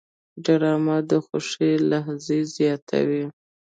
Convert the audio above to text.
ډرامه د خوښۍ لحظې زیاتوي